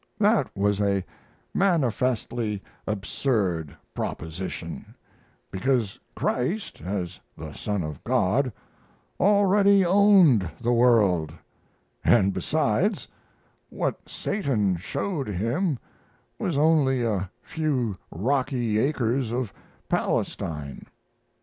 That was a manifestly absurd proposition, because Christ, as the Son of God, already owned the world; and, besides, what Satan showed him was only a few rocky acres of Palestine.